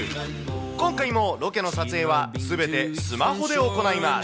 今回もロケの撮影はすべてスマホで行います。